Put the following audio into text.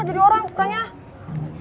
jadi orang sp druhnya